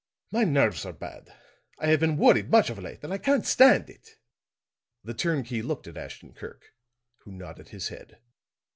My nerves are bad. I have been worried much of late and I can't stand it." The turnkey looked at Ashton Kirk, who nodded his head.